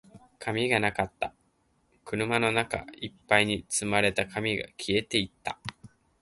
紙がなかった。車の中一杯に積まれた紙が消えていた。